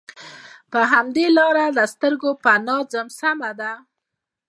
پر همدې لاره له سترګو پناه ځم، سمه ده.